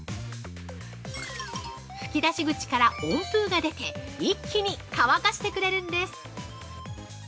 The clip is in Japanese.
吹き出し口から温風が出て一気に乾かしてくれるんです。